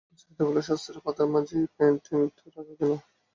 আচ্ছা, এতগুলো শাস্ত্রীয় পাতার মাঝে এই পেইন্টিংটা রাখা কেন?